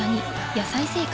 「野菜生活」